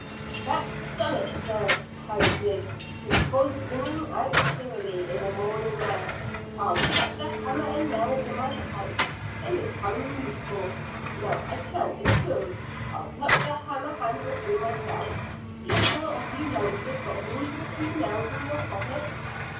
"That's done it, sir," cried Griggs, his voice ringing out cheerily in the morning air. "I'll tuck the hammer and nails in my pouch. They may come in useful. No, I can't; it's full. I'll tuck the hammer handle through my belt. Either of you youngsters got room for a few nails in your pocket?"